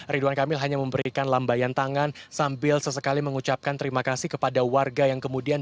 ridwan kamil hanya memberikan lambayan tangan sambil sesekali mengucapkan terima kasih kepada warga yang kemudian